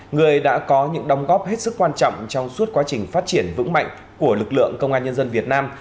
người đã có những đồng góp hết sức quan trọng trong suốt quá trình phát triển vững mạnh của lực lượng công an nhân dân việt nam